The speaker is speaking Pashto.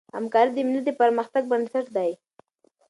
همکاري د ملت د پرمختګ بنسټ دی.